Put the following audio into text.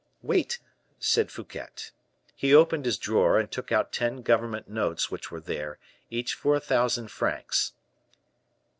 "Wait," said Fouquet. He opened his drawer, and took out ten government notes which were there, each for a thousand francs.